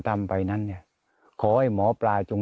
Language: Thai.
กันกันกัน